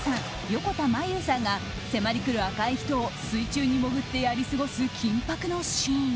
横田真悠さんが迫り来る赤い人を、水中に潜ってやり過ごす緊迫のシーン。